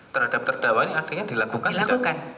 terhadap terdawanya akhirnya dilakukan